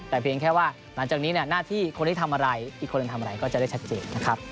แต่เพียงแค่ว่าหลังจากนี้เนี่ยหน้าที่คนที่ทำอะไรอีกคนหนึ่งทำอะไรก็จะได้ชัดเจนนะครับ